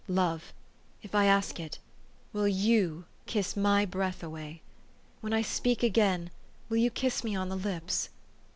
" Love, if I ask it, will you kiss my breath away? When I speak again, will you kiss me on the lips?